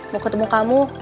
mau ketemu kamu